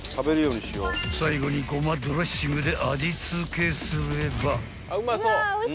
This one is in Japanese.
［最後に胡麻ドレッシングで味付けすれば］